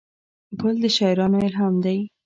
ګل د شاعرانو الهام دی.